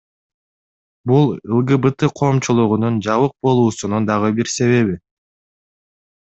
Бул ЛГБТ коомчулугунун жабык болуусунун дагы бир себеби.